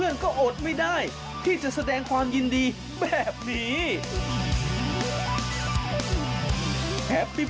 นึงนาทีมีเฮวันนี้นะครับไปร่วมแสดงความยินดีกับประตูแรกในนามทีมชาติไทยของเจ้าปิโป้